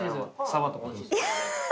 サバとか。